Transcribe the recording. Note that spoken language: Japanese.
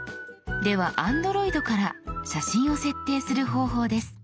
ではＡｎｄｒｏｉｄから写真を設定する方法です。